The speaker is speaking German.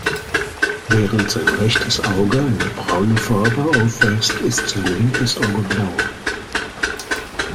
Während sein rechtes Auge eine braune Farbe aufweist, ist sein linkes Auge blau.